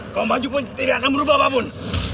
kau maju pun tidak akan berubah pun